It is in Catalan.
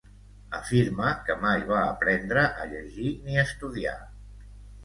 Afirma que mai va aprendre a llegir ni estudiar.